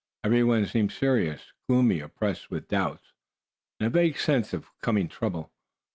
Every one seemed serious, gloomy, oppressed with doubts, and a vague sense of coming trouble.